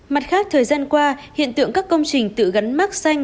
mặt khác thời gian qua hiện tượng các công trình tự gắn mác xanh